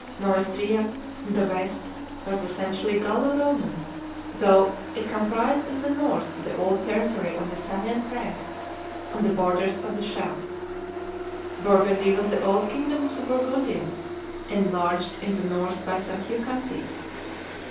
Neustria, in the west, was essentially Gallo Roman, though it comprised in the north the old territory of the Salian Franks, on the borders of the Scheldt. Burgundy was the old kingdom of the Burgundians, enlarged in the north by some few counties.